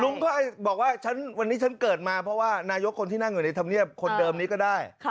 เขาบอกว่าวันนี้ฉันเกิดมาเพราะว่านายกคนที่นั่งอยู่ในธรรมเนียบคนเดิมนี้ก็ได้